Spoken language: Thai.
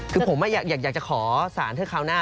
ผมคิดว่าอยากจะขอสารเทือนคราวหน้า